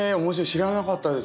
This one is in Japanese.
知らなかったです。